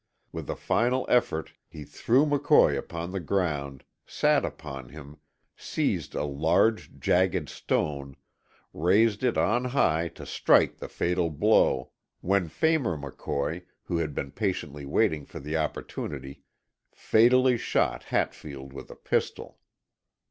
With a final effort he threw McCoy upon the ground, sat upon him, seized a large jagged stone, raised it on high to strike the fatal blow, when Phamer McCoy, who had been patiently waiting for the opportunity, fatally shot Hatfield with a pistol.